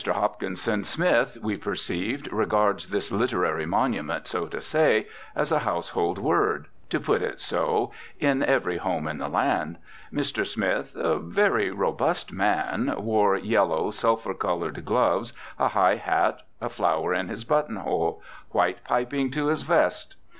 Hopkinson Smith, we perceived, regards this literary monument, so to say, as a household word (to put it so) in every home in the land. Mr. Smith, a very robust man, wore yellow, sulphur coloured gloves, a high hat, a flower in his buttonhole, white piping to his vest.